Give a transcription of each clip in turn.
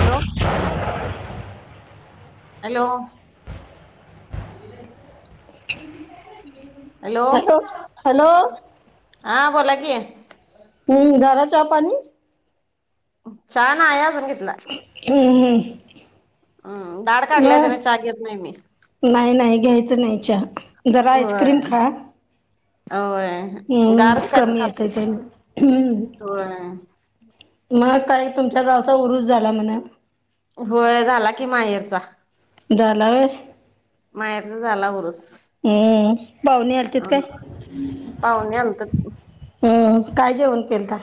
Hello hello. [inaudible] Hello. [inaudible] हा बोला कि. हम्म, झाला चहा पाणी? चहा नाय अजून घेतला. हं हं. हम्, दाड काढलाय त्याने चाहा घेत नाही मी. नाही नाही घ्यायचं नाही चहा. जरा होय आईस्क्रीम खा. होय [inaudible] हम्म. गारच काय तर कमी येतय खातोय तेन हम्म होय मग काय तुमच्या गावचा उरूस झाला म्हणे? होय, झाला की माहेरचा. झाला होय. माहेरचा झाला उरूस. हम्म. पाहूणे आलतीत अ काय? [inaudible] पाहुणे आलतत हम्म. काय जेवण केलता?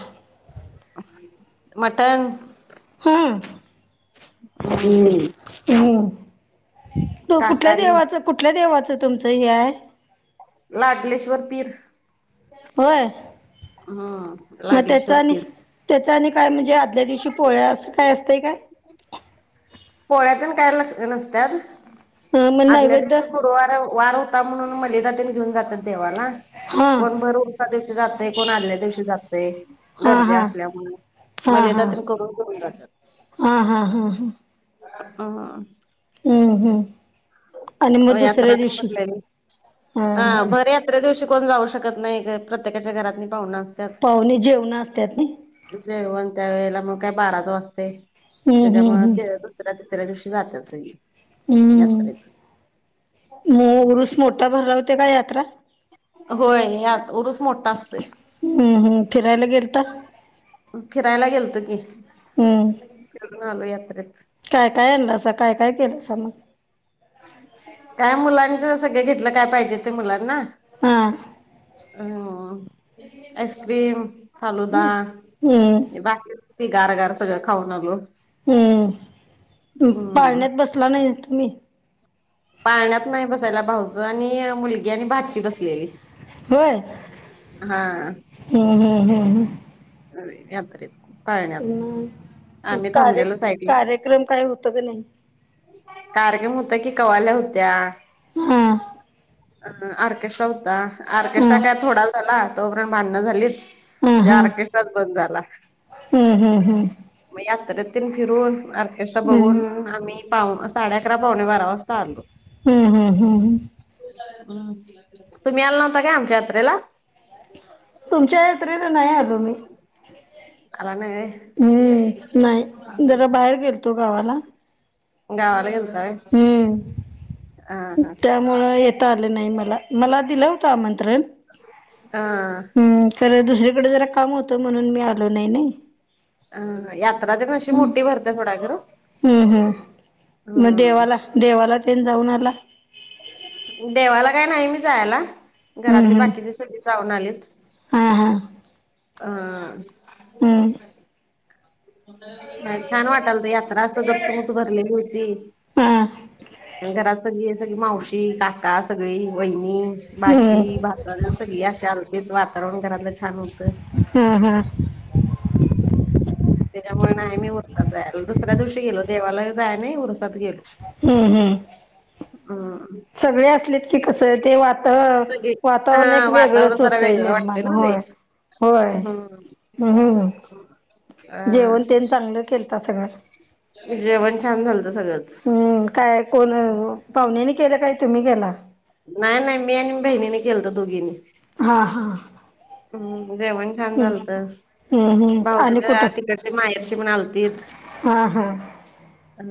[inaudible] मटन हा [inaudible] हम्म, हो [inaudible] तो कुठल्या शाकाहारी देवाचं, कुठल्या देवाचं तुमचं हे आहे? लागलेश्वर पीर. होय [inaudible] हम्म, लागलेश्वर पीर. त्याच्या आणि काय म्हणजे, आदल्या दिवशी पोळ्या असं काय असतं आहे काय? पोळ्यातून काय [unintelligible] नसतात. हम्म, मग नैवेद्य? वार, वार होता म्हणून मलिदा तरी घेऊन जातात देवाला. हा कोण भर उरच्या दिवशी जातयं, कोण आल्या दिवशी जातय. हा गर्दी हा असल्यामुळे, हा मलिदा पण करून घेऊन जातात. हा हा हा हा. हम हम्म हम्म. [inaudible] आणि मग यात्रा दुसऱ्या तेन दिवशी. [inaudible] हा हा. दुसऱ्या दिवशी कोण जाऊ शकत नाही गं. प्रत्येकाच्या घरात म पाहुस अस पाहुणे जेवण असतात नाही. जेवण त्या वेळेला मग काय बाराज वाजते. [inaudible] हम्म हम्म त्याच्यामुळे ते हम्म दुसर तिसऱ्या दिवशी जात्यात सगळी यात्रेत. म उरुस मोठा भरवते का यात्रा? होय यात उरूस मोठा असतोय. हम्म हम्म फिरायला गेलता [inaudible] फिरायला गेलतो की. [inaudible] हम्म फिरून आलो यात्रेत. काय काय आणलंसा? काय काय केलंस मग? काय मुलांच सगळं घेतलं. काय पाहिजे ते मुलांना हा. अं आईस्क्रीम, फालुदा, हम्म ते बाकी ती गार गार सगळं खाऊन आलो. हम्. [inaudible] मग हम्म पाळण्यात बसला नाहीत तुम्ही? पाळण्यात नाही बसायला. भाऊजाई आणि मुलगी आणि भाजची बसलेली. होय. हा [inaudible] ह हम् हम् ह. अय यातरेत पाळण्यात हम्म मग आमी कार्य थांबलेलो साइडला कार्यक्रम काय होतं का नाही कार्यक्रम हुत की कवाल्या हुत्या हा अन आर्केस्ट्रा हुता ऑर्केस्ट्रा हं, काय थोडा झाला तोपरेंत भांण झालीत हं, त्या हं. ऑर्केस्ट्राच बंद झाला हं, हं, हं. मग यात्रेतेन फिरून ऑर्केस्ट्रा हं. बगुन आमी पाउन साडे अकरा पावणे बारा वासता आलो हम हम हम हम तुमी आल नव्हता काय आमच्या यात्रेला तुमच्या यात्रेला नइ आलो मी अला नइ वय हम्म नाय जरा बाहेर गेल गावाला गेलता वय हम् त्यामुळं येता आलं नाइ मला मला दिलं होतं आमंत्रण ह हम खरं दुसरीकड जरा काम हुत म्हणून मी आलो नाइ नाइ अ यात्रा तेनअशी मोठी भरत्या सोडा खर हम्म. हम्म मग हम देवाला देवाला तेन जाऊन आला देवाला काय न्हाइ मी जायाला, घरातली हम्म हम्म. बाकीचे सगळी जाऊन आलीत हा हा अ हम्म का छान वाटालत यात्रा असं गच्च मुच्च भरलेली हुती! हा. अन घरात सगळी सगळी मावशी काका सगळी वैणी बाची हम्म. भाचा तेण सगळी अशी आलतीत वातावरण घरातलं छान हुत हम्म हम्म तेच्यामुळ न्हाय मी उरसात जायाला दुसऱ्या दिवशी गेलो देवाला जाया नइ उरसात गेलो हम्म हम्म हम्म सगळी असलीत कि कसं ते वातह सगळी वातावरण हा एक वातावरण वेगळंच जरा होतय वेगळं वाटते निर्माण ना ते होय होय हम्म हम्म अ जेवण तेन चांगलं केलता सगळं जेवण छान झालत सगळंच. हम् काय कोण अ पावण्यानी केलं काय तुमी केला नाय नाय मी आणि बहिणीन केलंत दुगीनी हा हा हम्म जेवण छान हम्म. झालत हम्म हम्म आणि भाऊजच्या कुठं तिकडची माहेरची म्पण आलतीत हा हा हा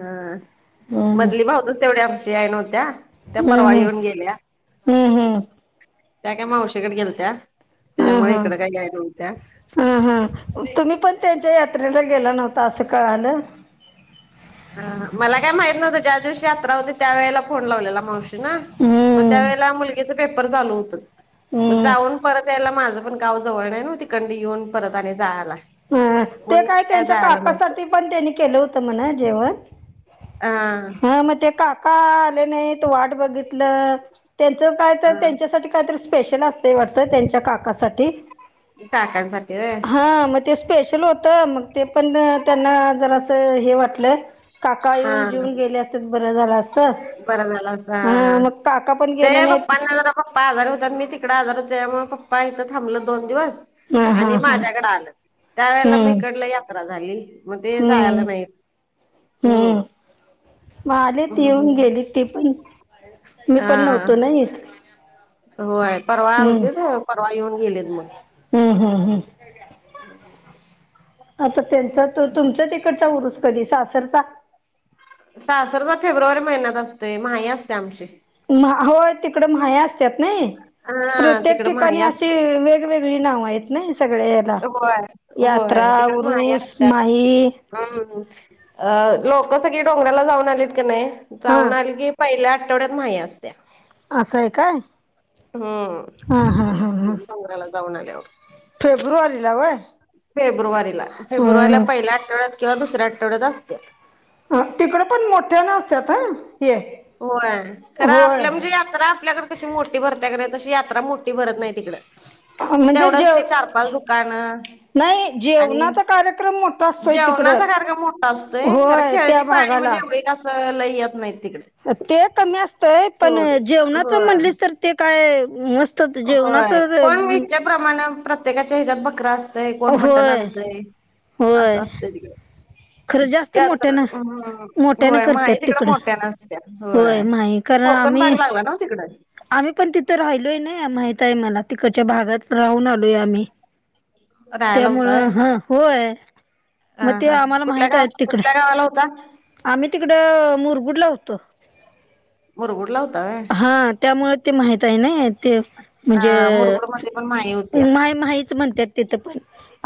हम्म मदली भाऊजच तेवड आमची याय नव्हत्या त्या परवा हम्म. येऊन गेल्या. हम्म हम्म त्या काय मावशीकड गेलत्या हा त्याच्यामुळ हा इकडं काय ग्याय नवत्या तुमी पण तेंच्या यात्रेला गेला नव्हता असं कळालं ह मला काय माहित नव्हतं ज्या दिवशी यात्रा होती त्या वेळेला फोन लावलेला मावशी ना मं त्या हम्म वेळेला मुलगीच पेपर चालू हुत हम्म. जाऊन परत यायला माज पण गाव जवळ नाय नव तिकंंड येऊन परत आणि जायाला हा ते काय तेंच्या काकासाटी पण तेंनी केलं हुत मण जेवण अं मग ते काका आले नाइत वाट बगितल तेंच काय तर हा तेंच्यासाठी कायतरी स्पेशल असतंय वाटत त्यांच्या काकासाठी काकांसाठी होय. ह मग ते स्पेशल होत मग ते पण त्यांना जरासं हे वाटल. काका येऊन हा जेऊन गेले असतीत बरं झालं असत, बरा झाला असता हा हा हा. मगं काका पण ते गेले नाहीत पप्पांना जरा पप्पा आजारी होत्यात मी तिकड आजारी होते त्यामुळे पप्पा इथं थांबलं दोन दिवस. हा हा आणि हा माझ्याकडे आलंत त्या वेळेला मी हम्म इकडलं यात्रा झाली, मग ते जायला नाहीत. हम्, हम्म मग आलेत येऊन हा. गेली ती पण, मी पण नव्हतो ना इथ. होय, परवा आलतीत परवा येऊन गेलेती मग. हम् हम् हम्म, [unintelligible] आता त्यांचा तुमच्या तिकडचं ऊरूस कधी सासरचा? सासरचा फेब्रुवारी महिन्यात असतोय माही असत्या आमची. होय तिकड माह्या असतात नाही हा प्रत्येक तिकड ठिकाणी माही अशी असते वेग वेगवेगळी नावं आहेत ना या सगळ्या याला होय होय यात्रा तिकडे माया ऊरूस असतात. माही. हम्म, लोक सगळी डोंगराला जाऊन आलीत कणी हा जाऊन आले की पहिल्या आठवड्यात माही असत्या. असं आहे काय. हम्म, हा हा हा हा डोंगराला जाऊन आल्यावर. फेब्रुवारीला व्हय? फेब्रुवारीला, फेब्रुवारीला पहिल्या आठवड्यात किंवा दुसऱ्या आठवड्यात असत्या. हां, तिकड पण मोठ्यानं असत्यात हं. होय, खरं आपल्या म्हणजे यात्रा आपल्याकडं कशी मोठी भरत्या कणी तशी यात्रा मोठी भरत नाही तिकडं. म्हणजे तेवढंच जेव ते चार पाच दुकान नाही आणि जेवणाचा कार्यक्रम मोठा असतोय जेवणाचा तिकडं कार्यक्रम मोठा असतोय खर होय त्या खेळणी पाळणी म्हणजे भागाला एक ये असं लयं येत नाही तिकडे. ते कमी अस ते पण, सोड जेवणाच होय म्हणलीस तर ते काय मस्त जेवणाच प्रमाणे, प्रत्येकाच्या हेच्यात बकर अस तय कोण मटण होय आणतय होय असं असतंय तिकड. खरं जास्त यात्र, मोठ्यानं हम्, मोठ्यानं होय करतात माही तिकड तिकडं मोठ्यानं असत्या. होय, माही ते कारण कोकण आम्ही भाग लागला नव्हं तिकडं. आम्ही पण तिथं राहिलोय नाही माहित आहे मला, तिकडच्या भागात राहून आलोय आम्ही. राहायला त्यामुळं होता व्हय हं होय, हा मग ते हा आम्हाला कुठल्या माहित गाव आहे तिकडं, कुठल्या गावाला होता आम्ही तिकडं मुरगुडला होतो. मुरगुडला होता व्हय. हं त्यामुळे ते माहित आहे नई. तेच हा म्हणजे, मुरगुडमध्ये पण माही होत्या उमाय माहीच म्हणत्यात. तिथ पण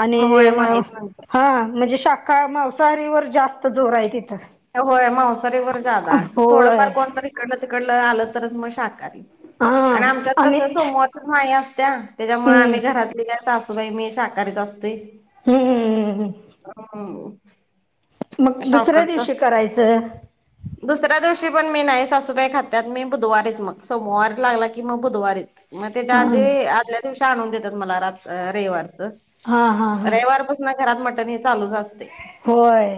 आणि होय माहीच म्हणत्या हां, म्हणजे शाक काय मांसाहारीवर जास्त जोर आहे तिथं. होय मावसारीवर ज्यादा, थोडंफार होय कोणतरी ईकडलं तिकडलं आलं तरच मग शाकाहारी हा आणि आमच्यात आणि कस सोमवारच माही असत्या तेलामुळे हम्म आम्ही घरातली काय सासूबाई मी काय शाकाहारीच असतोय. हम्म [inaudible] मग दुसऱ्या शाकाहारीच दिवशी असतोय करायचं. दुसऱ्या दिवशी पण मी नाय सासूबाई खात्यात मी बुधवारीच मग सोमवार लागला की मग बुधवारी. मग त्याच्या हा आधी आदल्या दिवशी मला आणून देतात मला रयवारच हा हा हा रयवार पसन घरात मटन हे चालूच अस होय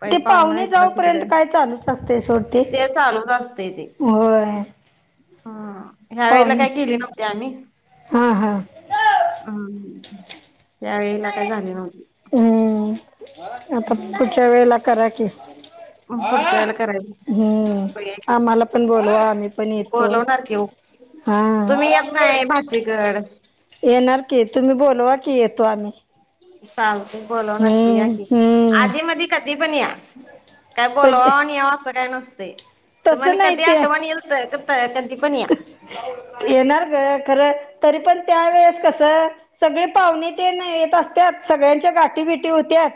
पै ते पाहुणं पाहुणे इकडं जाऊपर्यंत तिकडं काय चालूच तस्ते सोड ते चालूच असतय ते. व्हय. हा, ह्या वेळेला काय केली नव्हती आम्ही. हा हा हम्म, यावेेळेला काय झाली नव्हती. हम्म, आता पुढच्या वेळेला करा की. पुढच्या वेळेला हम्म, करायचं बघ आम्हाला पण बोलवा आम्ही पण येतो. बोलवणार हा. न्हाय भाचीकड. येणार की तुम्ही बोलवा की येतो आम्ही. चालतय बोलवनार की या हम्म की, हम्म आधी मदी कधी पण या. काय पण ते- बोलवाव आणि याव असं काय नसतय, तसं तुम्हणी नाही कधी ते आठवण इल क- कधी पण या. येणार ग खरं तरी पण त्या वेळेस कसं सगळी पाहुणे ते नाय येत असत्यात सगळ्यांच्या गाठी भेटी हुत्यात.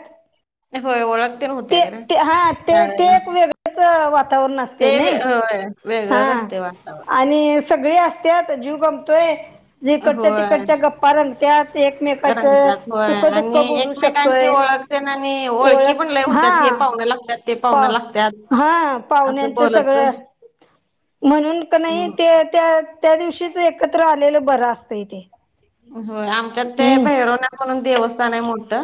होय ओळख तेन होत्या ते खरं ते हा ते ते त्यावेळेला एक वेगळंच वातावरण असतंय ते नाय? होय हा वेगळंच असतंय वातावरण आणि सगळे असत्यात जीव गमतोय जिकडच्या होय तिकडच्या गप्पा रंगत्यात. एकमेकाच रंगत्यात होय सुख दुःख आणि बोलू एकमेकांची शकतोय ओळख तेन आणि ओळखी ओळख पण हुत्यात हे हा पाहून लागत्यात ते पाहुणं पाव लागत्यात हा असं पाहुण्यांच सगळं बोलत म्हणून क नाय ते -त्या त्या दिवशीच एकत्र आलेलं बरं असतंय ते. होय आमच्यात ते हम्म भैरवनाथ म्हणून देवस्थान आय मोठ,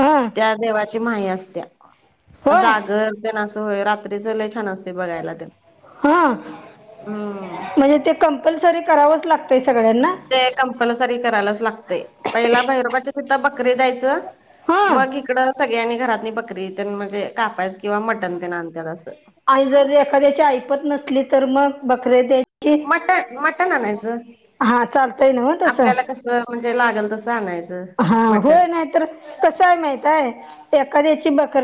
हा त्या देवा ची म्हाया असत्या होय जागर तेन अस होय रात्रीच लय छान असतय बघायला तेन. हा हम्म. म्हणजे ते कंपल्सरी करावंच लागतंय सगळ्यांना? ते कंपलसरी करायलाच लागतंय पहिला भैरोबाच्या तिथ बकरी द्यायचं. हा मग हिकडं सगळ्यांनी घरातनी बकरी तेन म्हणजे कापायच किंवा मटण ते आणत्यात असं. आणि जर एखाद्याची ऐपत नसली तर मग बकरे दे मटण मटण आणायचं हा चालतंय ना मग तसं आपल्याला कस म्हणजे लागल तसं आणायचं. हा मटण. होय नाय तर कसं आय माहित आय एखाद्याची बकर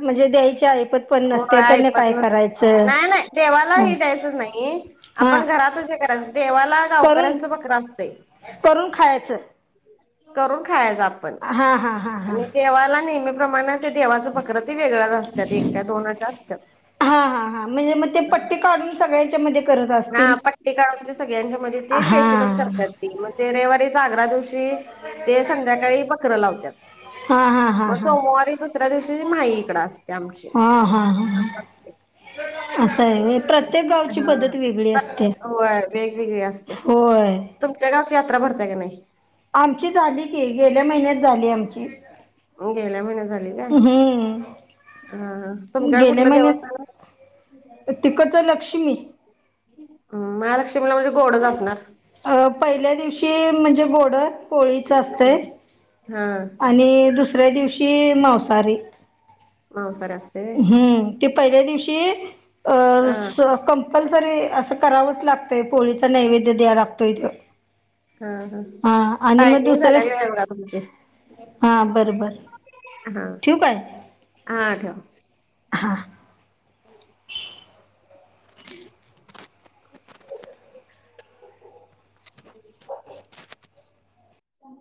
म्हणजे द्यायची ऐपत पण हो नसते त्याने ऐपत काय नसत्या, करायचं नाय नाय देवाला हे द्यायचंच नाय. हा आपण घरातच हे करायचं देवाला करून गावकऱ्यांचं बकर असतय. करून खायाचं. करून खायाच आपण, हा हा हा आणि देवाला नेहमी प्रमाण ते देवाच बकर ते वेगळ्याच असत्यात एक का दोनच असत्यात. हा हा हा म्हणजे मग ते पट्टी काढून सगळ्यांच्या मध्ये करत असतील हा पट्टी काढून ते सगळ्यांच्या मध्ये ते हा पेशलच करतात ती म ते रयवारी जागरा दिवशी ते संध्याकाळी बकर लावत्यात. हा हा हा. मग सोमवारी दुसऱ्या दिवशी माही इकडं असत्या आमची हा हा हा असं असते. असं आहे वे प्रत्येक गावची पद्धत वेग य हा असते होय वेगवेगळी असत्या. होय. तुमच्या गावची यात्रा भरत्या काय नाही? आमची झाली की गेल्या महिन्यात झाली आमची. गेल्या महिन्यात झाली काय हम्म हा हा तुमच्या कुठलं देवस्थान? तिकडचा लक्ष्मी हम्म महालक्ष्मीला म्हणजे गोडच असणार. अ पहिल्या दिवशी म्हणजे गोडं पोळी हा. आणि दुसऱ्या दिवशी मावसारी मावसाऱ्यास हम्म ती पहिल्या दिवशी हा असं कं कम्पल्सरी असं करावंच लागतंय पोळीच नैवेद्य द्या लागतोय हिथं. हा हा मग टायमिंग दुसऱ्या झालेला आहे बघा तुमचे. हा बरोबर हा ठेवू काय? हा ठेवा. हा. [unintelligible]